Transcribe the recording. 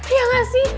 iya gak sih